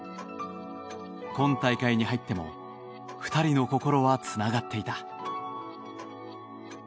今大会に入っても２人の心はつながっていた。